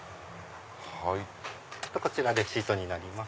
こちらレシートになります。